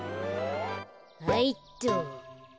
はいっと。